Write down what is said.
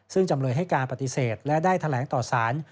ซึ่งจำเลยให้การปฏิเสธและได้แถลงต่อสาร